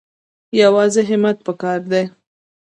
یوازې همت پکار دی